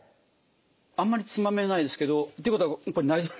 あんまりつまめないですけどっていうことはこれ内臓。